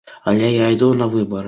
Але я іду на выбары!